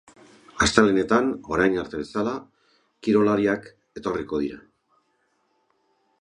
Astelehenetan, orain arte bezala, kirolariak etorriko dira.